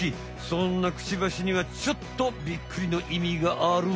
そんなクチバシにはちょっとびっくりのいみがある。